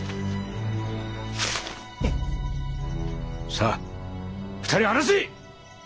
さあ２人を放せ！